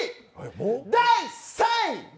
第３位！